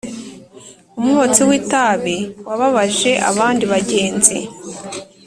umwotsi w itabi wababaje abandi bagenzi.